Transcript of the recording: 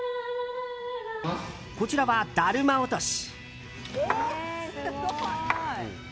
こちらは、だるま落とし。